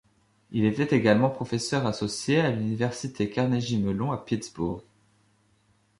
Il était également professeur associé à l'université Carnegie-Mellon, à Pittsburgh.